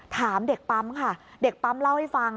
ถามเด็กปั๊มค่ะเด็กปั๊มเล่าให้ฟัง